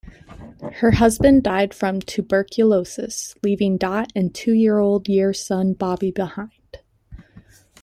Her husband died from tuberculosis, leaving Dot and two-year-old year son Bobby behind.